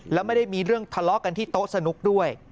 แล้วไม่ได้มีเรื่องทะเลาะกันที่โต๊ะสนุกด้วย